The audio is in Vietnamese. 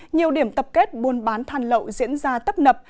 nhiều điểm tập kết buôn bán than lậu diễn ra tấp nập